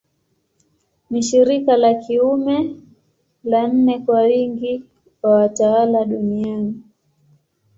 Ni shirika la kiume la nne kwa wingi wa watawa duniani.